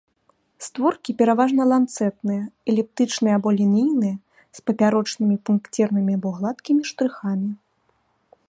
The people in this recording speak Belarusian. Створкі пераважна ланцэтныя, эліптычныя або лінейныя, з папярочнымі пункцірнымі або гладкімі штрыхамі.